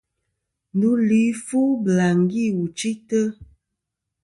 Ndu li fu bɨlàŋgi wù chɨytɨ.